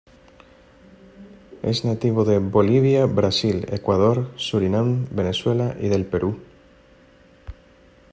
Es nativo de Bolivia, Brasil, Ecuador, Surinam, Venezuela y del Perú.